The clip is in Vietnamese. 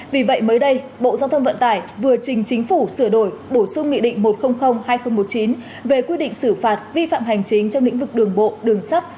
vì vậy mới đây bộ giao thông vận tải vừa trình chính phủ sửa đổi bổ sung nghị định một trăm linh hai nghìn một mươi chín về quy định xử phạt vi phạm hành chính trong lĩnh vực đường bộ đường sắt